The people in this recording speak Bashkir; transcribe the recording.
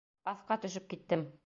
Аҫҡа төшөп киттем.